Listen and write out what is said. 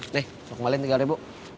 deh sokong balik rp tiga